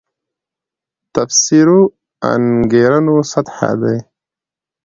تفسیرو انګېرنو سطح دی.